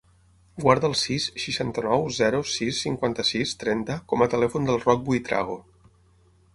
Guarda el sis, seixanta-nou, zero, sis, cinquanta-sis, trenta com a telèfon del Roc Buitrago.